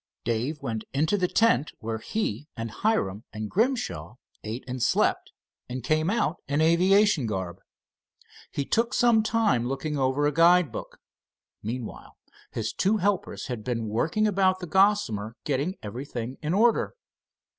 Dave went into the tent where he and Hiram and Grimshaw ate and slept, and came out in aviation garb. He took some time looking over a guide book. Meanwhile his two helpers had been working about the Gossamer, getting everything in order.